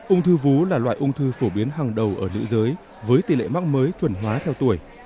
ung thư vú là loại ung thư phổ biến hàng đầu ở nữ giới với tỷ lệ mắc mới chuẩn hóa theo tuổi